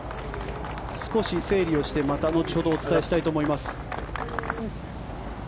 少し整理をして、また後ほどお伝えしたいと思います。